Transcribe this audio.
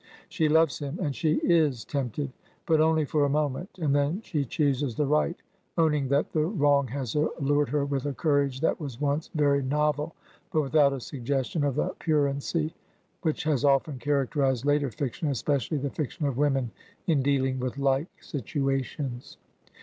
She loves him and she is tempted, but only for a mo ment, and then she chooses the right, owning that the wrong has allured her with a courage that was once very novel, but without a suggestion of the pruriency which has often characterized later fiction (especially the fiction of women) in dealing with like situations.